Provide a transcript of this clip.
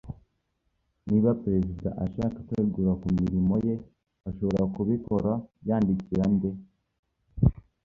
Niba Perezida ashaka kwegura ku mirimo ye, ashobora kubikora yandikira nde